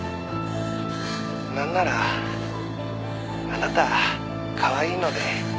「なんならあなたかわいいので特別に」